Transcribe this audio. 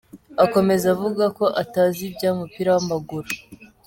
Akomeza avuga ko atazi iby’umupira w’amaguru.